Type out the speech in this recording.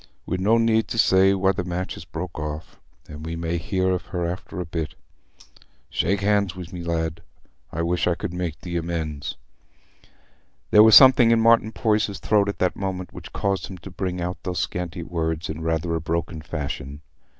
We'n no need to say why the match is broke off, an' we may hear of her after a bit. Shake hands wi' me, lad: I wish I could make thee amends." There was something in Martin Poyser's throat at that moment which caused him to bring out those scanty words in rather a broken fashion.